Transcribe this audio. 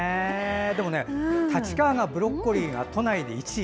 でもね、立川がブロッコリーが都内で１位？